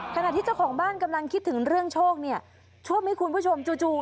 ขณะที่เจ้าของบ้านกำลังคิดถึงเรื่องโชคเนี่ยช่วงนี้คุณผู้ชมจู่จู่